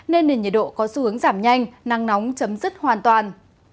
nên nền nhiệt độ có xu hướng giảm nhanh nắng nóng chấm dứt hoàn toàn